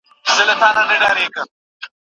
که سوله وي نو جنګ نه کیږي.